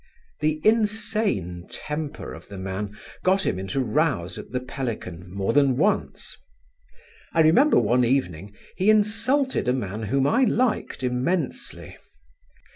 The insane temper of the man got him into rows at the Pelican more than once. I remember one evening he insulted a man whom I liked immensely.